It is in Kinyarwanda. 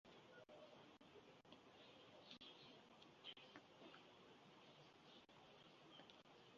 nk’uko byari byarabaye no ku zindi nzandiko ze izo ari zo zose.